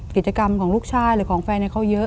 กิจกรรมของลูกชายหรือของแฟนเขาเยอะ